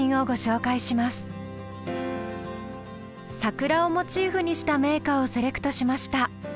「桜」をモチーフにした名歌をセレクトしました。